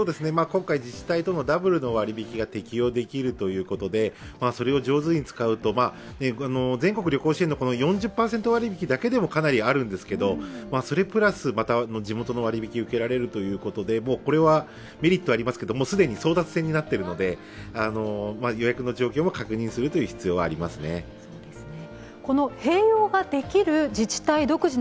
今回、自治体とのダブルの割引が適用できるということで、それを上手に使うと、全国旅行支援の４０％割り引きだけでもかなりあるんですけど、それプラスまた地元の割引を受けられるということで、これはメリットがありますけれども、既に争奪戦になっているので予約の状況も確認する必要がありますね。